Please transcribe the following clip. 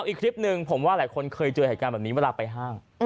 อีกคลิปหนึ่งผมว่าหลายคนเคยเจอเหตุการณ์แบบนี้เวลาไปห้าง